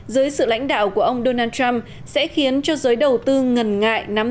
dưới sự lãnh đạo của ông donald trump sẽ khiến cho giới đầu tư ngần ngại nắm